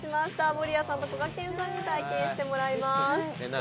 守屋さんとこがけんさんに体験してもらいます。